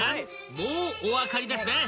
もうお分かりですね］